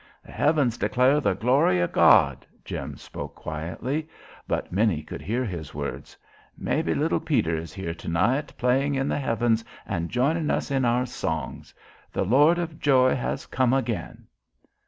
"The heavens declare the glory of God," Jim spoke quietly, but many could hear his words. "Mebbe little Peter is here tonight playing in the heavens and joinin' us in our songs. The Lord of Joy has come again!"